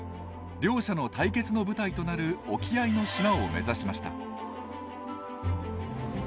両者の対決の舞台となる沖合の島を目指しました。